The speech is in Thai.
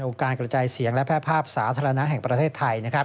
การกระจายเสียงและแพร่ภาพสาธารณะแห่งประเทศไทย